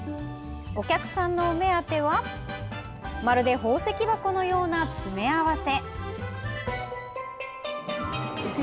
お客さんのお目当てはまるで宝石箱のような詰め合わせ。